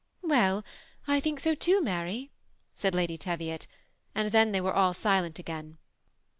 "Well, I think so too, Mary," said Lady' Teviot; and then they were all silent again.